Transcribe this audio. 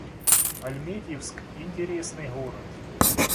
Альметьевск — интересный город